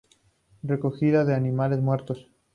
Recogida de animales muertos.